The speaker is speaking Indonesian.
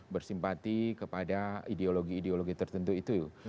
bersimpati kepada ideologi ideologi tertentu itu